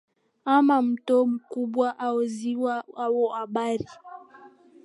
ama mto mkubwa au ziwa au bahari